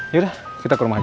yaudah kita ke rumah aja